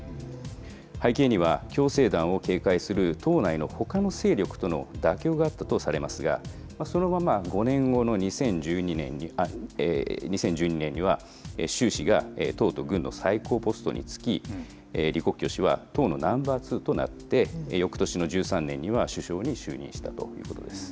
背景には共青団を警戒する党内のほかの勢力との妥協があったとされますが、そのまま５年後の２０１２年には習氏が党と軍の最高ポストに就き、李克強氏は党のナンバー２となって、よくとしの１３年には首相に就任したということです。